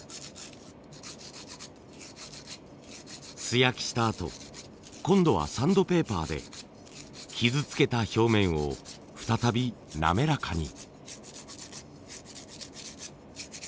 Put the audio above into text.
素焼きしたあと今度はサンドペーパーで傷つけた表面を再び滑らかに。